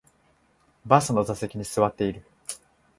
バスの座席に座っている